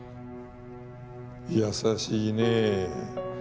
優しいね。